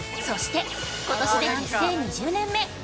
そして、今年で結成２０年目！